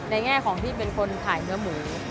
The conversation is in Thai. แง่ของที่เป็นคนขายเนื้อหมู